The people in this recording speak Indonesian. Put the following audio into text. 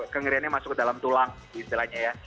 kenggiriannya masuk ke dalam tulang istilahnya ya